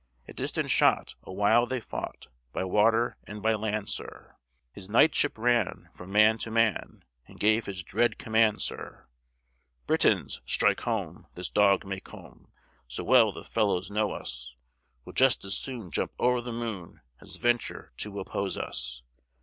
At distant shot awhile they fought, By water and by land, sir: His knightship ran from man to man, And gave his dread command, sir. "Britons, strike home! this dog Macomb So well the fellow knows us Will just as soon jump o'er the moon As venture to oppose us.